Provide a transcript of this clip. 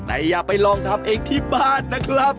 แต่อย่าไปลองทำเองที่บ้านนะครับ